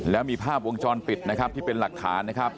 แล้วมีภาพวงจรปิดนะครับที่เป็นหลักฐานนะครับ